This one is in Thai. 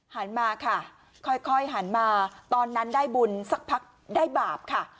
หันมาค่ะค่อยหันมาตอนนั้นได้บุญสักพักได้บาปค่ะ